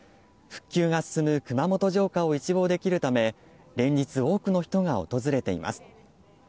復旧が進む熊本城下を一望できるため連日多くの人が訪れています。